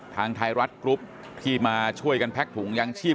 ทางไทยรัฐกรุ๊ปที่มาช่วยกันแพ็กถุงยางชีพ